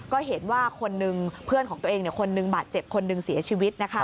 ก็เห็นว่าคนนึงเพื่อนของตัวเองคนหนึ่งบาดเจ็บคนหนึ่งเสียชีวิตนะคะ